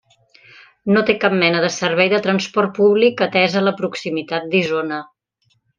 No té cap mena de servei de transport públic, atesa la proximitat d'Isona.